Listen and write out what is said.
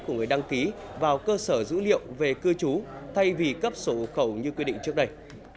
của người đăng ký vào cơ sở dữ liệu về cư trú thay vì cấp sổ hộ khẩu như quy định trước đây